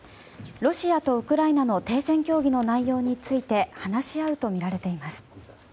ロシアとウクライナの停戦協議の内容について話し合うとみられています。